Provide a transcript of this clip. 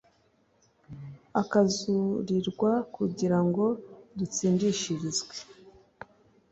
akazurirwa kugira ngo dutsindishirizwe.